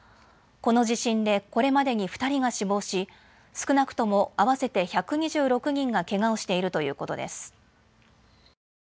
この地震でこれまでに２人が死亡し少なくとも合わせて１２６人がけがをしているということです。